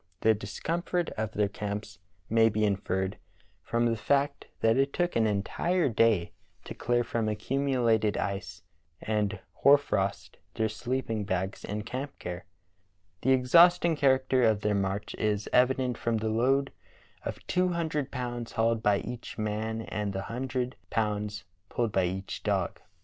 The discomfort of their camps may be inferred from the fact that it took Heroic Devotion of Lady Jane Franklin i8i an entire day to clear from accumulated ice and hoar frost their sleeping bags and camp gear. The exhaust ing character of their march is evident from the load of two hundred pounds hauled by each man and the hun dred pounds pulled by each dog.